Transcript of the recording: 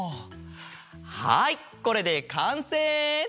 はいこれでかんせい！